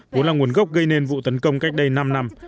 vốn là nguồn gốc gây nên vụ tấn công cách đây năm năm